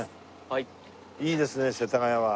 いいですね世田谷は。